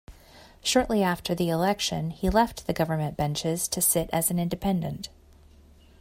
Shortly after the election, he left the government benches to sit as an independent.